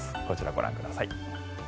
こちら、ご覧ください。